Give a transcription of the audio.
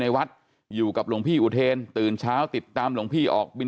วัดอยู่กับหลวงพี่อุเทนตื่นเช้าติดตามหลวงพี่ออกบิน